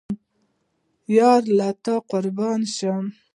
یاره له تا قربان شم